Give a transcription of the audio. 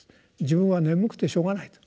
「自分は眠くてしょうがない」と。